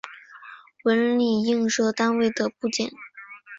纹理映射单元的部件。